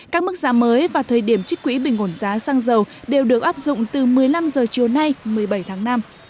các mức giá mới và thời điểm trích quỹ bình ổn giá xăng dầu đều được áp dụng từ một mươi năm h chiều nay một mươi bảy tháng năm